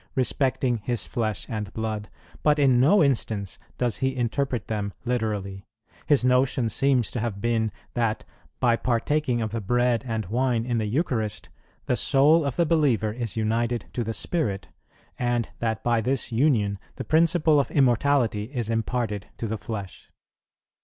respecting His flesh and blood; but in no instance does he interpret them literally. ... His notion seems to have been that, by partaking of the bread and wine in the Eucharist, the soul of the believer is united to the Spirit, and that by this union the principle of immortality is imparted to the flesh."